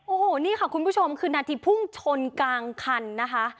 โอ้โหนี่ค่ะคุณผู้ชมคือนาทีพุ่งชนกลางคันนะคะ